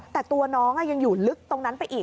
แต่ตัวน้องยังอยู่ลึกตรงนั้นไปอีก